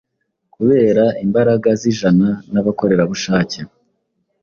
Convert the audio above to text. kubera imbaraga zijana nabakorerabushake